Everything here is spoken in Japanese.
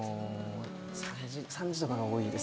３時とかが多いです。